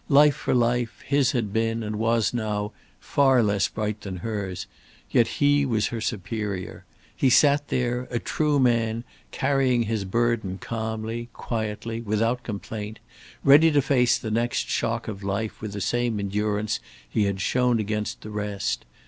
Life for life, his had been, and was now, far less bright than hers, yet he was her superior. He sat there, a true man, carrying his burden calmly, quietly, without complaint, ready to face the next shock of life with the same endurance he had shown against the rest.